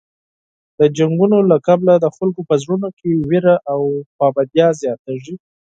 د جنګونو له کبله د خلکو په زړونو کې وېره او خفګان زیاتېږي.